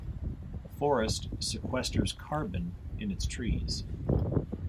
A forest sequesters carbon in its trees.